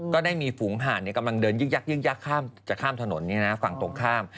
ก็ได้มีฝูงหาดกำลังเดินยึกยักยึกยักจะข้ามถนนฝั่งตรงข้าม